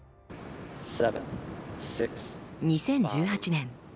２０１８年